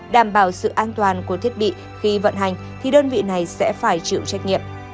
đảm bảo sự an toàn của thiết bị khi vận hành thì đơn vị này sẽ phải chịu trách nhiệm